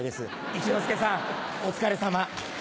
一之輔さんお疲れさま。